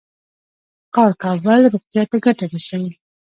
کار کول روغتیا ته ګټه رسوي.